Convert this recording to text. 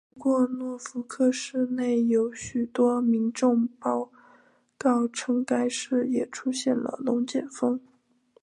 不过诺福克市内有许多民众报告称该市也出现了龙卷风。